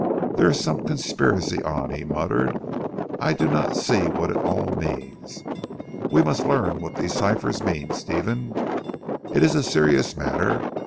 "There is some conspiracy on," he muttered. "I do not see what it all means. We must learn what these ciphers mean Stephen. It is a serious matter.